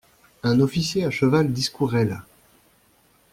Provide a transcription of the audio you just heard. Un officier à cheval discourait là.